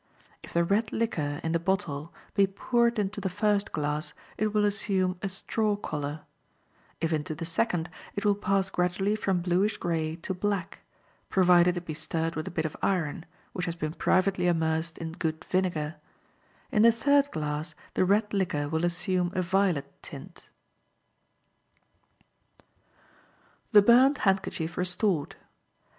If the red liquor in the bottle be poured into the first glass, it will assume a straw color; if into the second, it will pass gradually from bluish gray to black, provided it be stirred with a bit of iron, which has been privately immersed in good vinegar; in the third glass the red liquor will assume a violet tint. The Burned Handkerchief Restored.